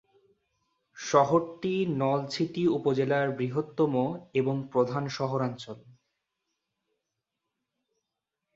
শহরটি নলছিটি উপজেলার বৃহত্তম এবং প্রধান শহরাঞ্চল।